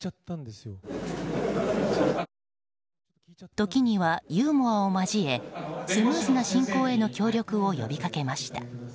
時には、ユーモアを交えスムーズな進行への協力を呼びかけました。